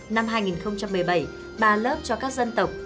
năm hai nghìn một mươi bảy ba lớp cho các dân tộc